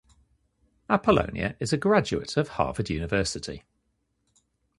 Apollonia is a graduate of Harvard University.